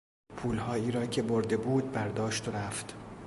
پولهایی را که برده بود برداشت و رفت.